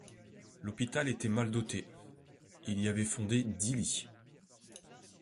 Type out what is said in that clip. L'hôpital était mal doté; il y avait fondé dix lits.